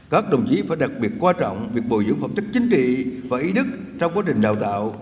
các đồng chí phải đặc biệt quan trọng việc bồi dưỡng phẩm chất chính trị và ý đức trong quá trình đào tạo